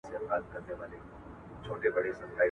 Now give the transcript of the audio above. چېرته چې کوم عکس د پخواني کابلجان ووینم